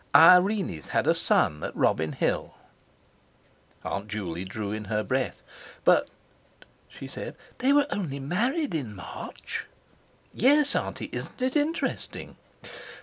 "Irene's had a son at Robin Hill." Aunt Juley drew in her breath. "But," she said, "they were only married in March!" "Yes, Auntie; isn't it interesting?"